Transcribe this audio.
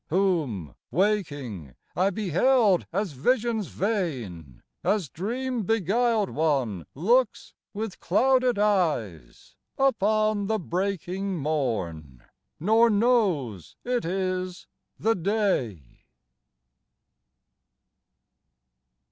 Whom, waking, I beheld as visions vain As dream beguiled one looks with clouded eyes Upon the breaking morn, nor knows it is the day.